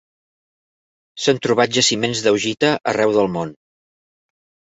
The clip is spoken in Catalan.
S'han trobat jaciments d'augita arreu del món.